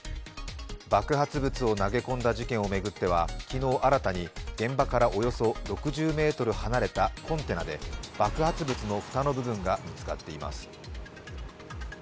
爆発物を投げ込んだ事件を巡っては昨日新たに現場からおよそ６０ｍ離れたコンテナで爆発物の蓋の部分が見つかっています。